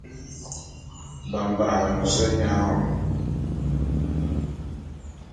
Mbamba’a e mos nya wom.